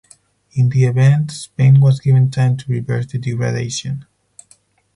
In the event, Spain was given time to reverse the degradation.